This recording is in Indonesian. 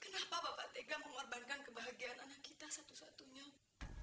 kenapa bapak tega mengorbankan kebahagiaan anak kita satu satunya